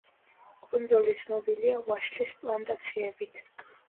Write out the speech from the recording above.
კუნძული ცნობილია ვაშლის პლანტაციებით.